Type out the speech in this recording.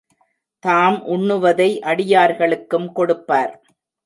தாம் உண்ணுவதை அடியார்களுக்கும் கொடுப்பார்.